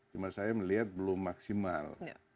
cuma saya melihat belum maksimal